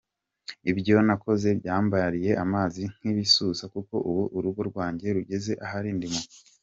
Ibyo nakoze byambyariye amazi nk’ibisusa kuko ubu urugo rwanjye rugeze aharindimuka.